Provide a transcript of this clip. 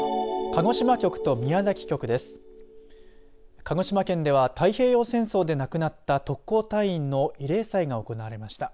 鹿児島県では太平洋戦争で亡くなった特攻隊員の慰霊祭が行われました。